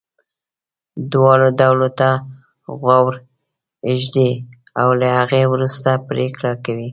دواړو ډلو ته غوږ ږدي او له هغې وروسته پرېکړه کوي.